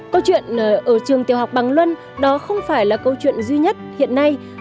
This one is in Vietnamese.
câu chuyện ở trường tiểu học bằng luân đó không phải là câu chuyện duy nhất hiện nay